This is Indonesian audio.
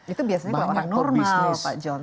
itu biasanya kalau normal pak john